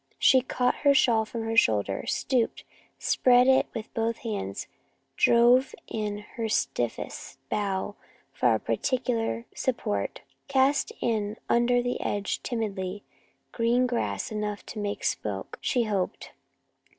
She caught her shawl from her shoulder, stooped, spread it with both hands, drove in her stiffest bough for a partial support, cast in under the edge, timidly, green grass enough to make smoke, she hoped.